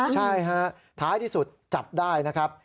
ใช่ฮะท้ายที่สุดจับได้นะครับ